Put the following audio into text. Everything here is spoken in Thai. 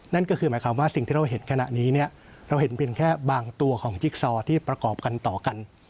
นั่นก็คือหมายความว่าสิ่งที่เราเห็นขณะนี้เนี่ยเราเห็นเพียงแค่บางตัวของจิ๊กซอที่ประกอบกันต่อกัน